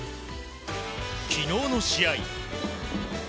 昨日の試合。